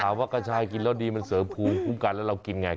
ว่ากระชายกินแล้วดีมันเสริมภูมิคุ้มกันแล้วเรากินไง